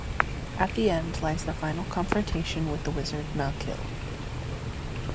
At the end lies the final confrontation with the wizard Malkil.